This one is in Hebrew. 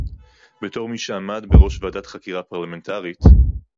בתור מי שעמד בראש ועדת חקירה פרלמנטרית